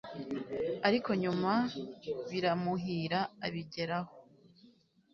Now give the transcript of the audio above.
ariko nyuma biramuhira. abigeraho